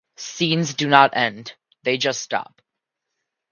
Scenes do not end, they just stop.